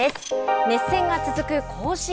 熱戦が続く甲子園。